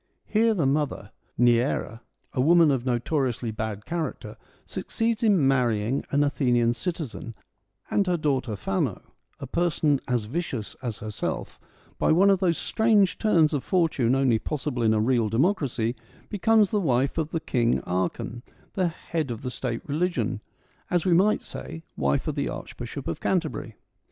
Here the mother, Neaera, a woman of notoriously bad character, succeeds in marrying an Athenian citizen, and her daughter Phand, a person as vicious as herself, by one of those strange turns of fortune only possible in a real democracy, becomes the wife of the King Archon, the head of the State religion, as we might say, wife of the Archbishop of Canterbury.